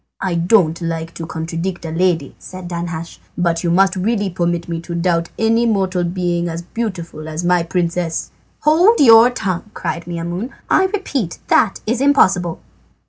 "I don't like to contradict a lady," said Danhasch, "but you must really permit me to doubt any mortal being as beautiful as my princess." "Hold your tongue," cried Maimoune. "I repeat that is impossible."